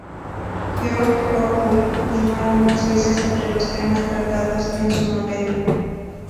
George Orwell opinó algunas veces sobre los temas tratados en su novela.